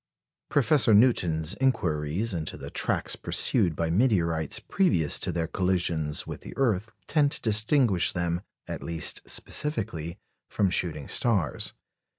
Professor Newton's inquiries into the tracks pursued by meteorites previous to their collisions with the earth tend to distinguish them, at least specifically, from shooting stars.